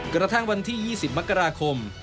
กระทั่งวันที่๒๐มกราคม